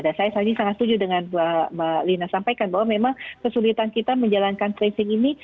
dan saya sangat setuju dengan yang melina sampaikan bahwa memang kesulitan kita menjalankan tracing ini